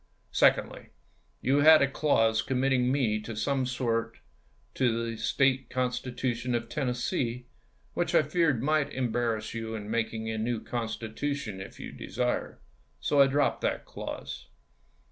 Secondly, you had a clause committing me in some sort to the State constitution of Tennessee, which I feared might embarrass you in making a new constitution if you desire — so I dropped that clause."